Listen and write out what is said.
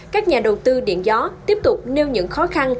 các nhà đầu tư điện gió tiếp tục nêu những khó khăn